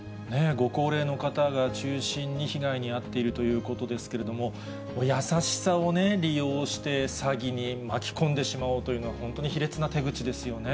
ご高齢の方が中心に被害に遭っているということですけれども、優しさをね、利用して、詐欺に巻き込んでしまおうというのは、本当に卑劣な手口ですよね。